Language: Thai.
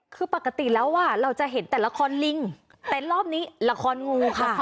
คือปกติแล้วเราจะเห็นแต่ละครลิงแต่รอบนี้ละครงูค่ะ